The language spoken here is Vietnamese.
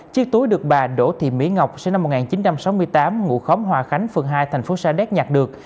chiếc túi được bà đỗ thị mỹ ngọc sinh năm một nghìn chín trăm sáu mươi tám ngụ khó khóm hòa khánh phường hai thành phố sa đéc nhặt được